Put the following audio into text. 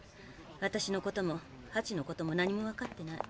私のこともハチのことも何もわかってない。